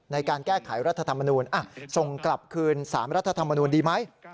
ในการแก้ไขรัฐธรรมนูลส่งกลับคืน๓รัฐธรรมนูลดีไหม